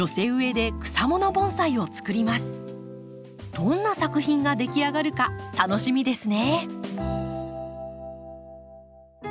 どんな作品が出来上がるか楽しみですね。